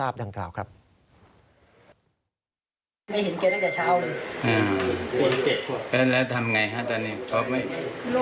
เบื้องต้นนะครับตำรวจสามารถว่าพระอุดร